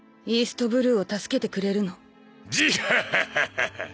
ジハハハハハ！